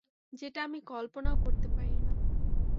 যেটা আমি কল্পনাও করতে পারিনা।